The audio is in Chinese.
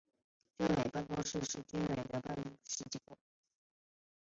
军委办公厅是军委的办事机构。